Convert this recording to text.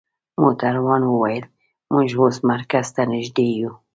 موټروان وویل: موږ اوس مرکز ته نژدې یو.